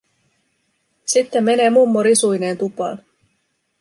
Sitten menee mummo risuineen tupaan.